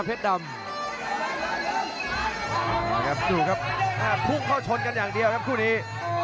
พรุ่งเข้าชนกันอย่างเดียวครับคู่นี้